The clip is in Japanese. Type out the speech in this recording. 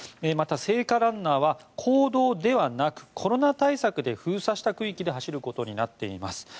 また、聖火ランナーは公道ではなくコロナ対策で封鎖した区域で走ることになっています。